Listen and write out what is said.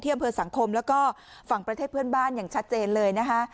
อำเภอสังคมแล้วก็ฝั่งประเทศเพื่อนบ้านอย่างชัดเจนเลยนะคะ